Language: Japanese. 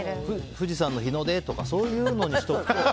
富士山の日の出とかそういうのにしておくと。